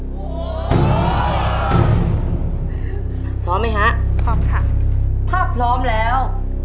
พร้อมไหมฮะพร้อมค่ะถ้าพร้อมแล้ว